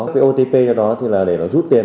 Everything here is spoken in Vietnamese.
cái otp cho nó thì là để nó rút tiền